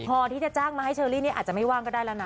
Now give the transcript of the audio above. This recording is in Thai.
พอที่จะจ้างมาให้เชอรี่เนี่ยอาจจะไม่ว่างก็ได้แล้วนะ